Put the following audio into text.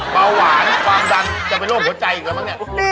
เบาหวานความดันจะเป็นโรคหัวใจอีกแล้วมั้งเนี่ย